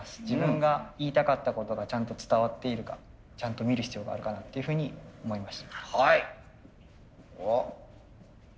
自分が言いたかったことがちゃんと伝わっているかちゃんと見る必要があるかなっていうふうに思いました。